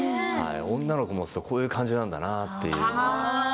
女の子を持つとこういう感じなんだなって。